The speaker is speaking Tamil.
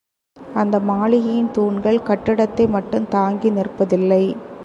அந்த மாளிகையின் தூண்கள் கட்டிடத்தை மட்டும் தாங்கி நிற்பதில்லை.